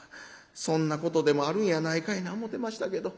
そんなことでもあるんやないかいな思てましたけど。